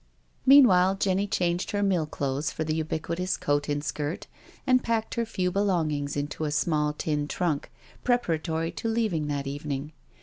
Meanwhile Jenny changed her mill clothes for the ubiquitous coat and skirt, and packed her few belong ings into a small tin trunk, preparatory to leaving that evening.